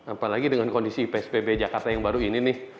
apalagi dengan kondisi psbb jakarta yang baru ini nih